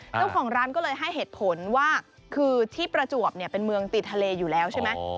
เจ้าของร้านก็เลยให้เหตุผลว่าคือที่ประจวบเนี่ยเป็นเมืองติดทะเลอยู่แล้วใช่ไหม